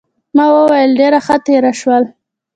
ما وویل ډېره ښه تېره شول.